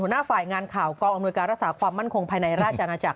หัวหน้าฝ่ายงานข่าวกองอำนวยการรักษาความมั่นคงภายในราชอาณาจักร